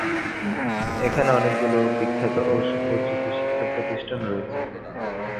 এখানে অনেকগুলো বিখ্যাত ও সুপরিচিত শিক্ষাপ্রতিষ্ঠান রয়েছে।